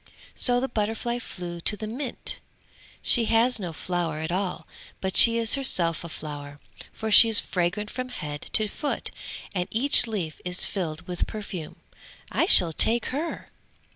So the butterfly flew to the mint. "She has no flower at all, but she is herself a flower, for she is fragrant from head to foot and each leaf is filled with perfume. I shall take her!"